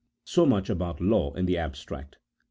So much about law in the abstract.